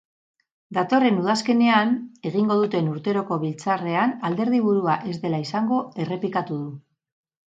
Datorren udazkenean egingo duten urteroko biltzarrean alderdi-burua ez dela izango errepikatu du.